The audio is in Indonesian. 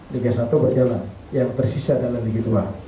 liga satu berjalan yang tersisa adalah liga dua